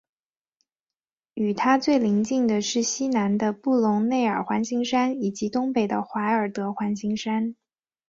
与它最邻近的是西南的布隆内尔环形山以及东北的怀尔德环形山。